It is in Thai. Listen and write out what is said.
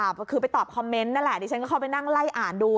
ก็คือไปตอบคอมเมนต์นั่นแหละดิฉันก็เข้าไปนั่งไล่อ่านดู